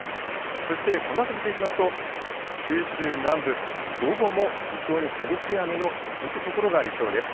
そしてこのあと見ていきますと、九州南部、午後も非常に激しい雨の続く所がありそうです。